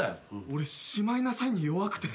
俺「しまいなさい」に弱くて。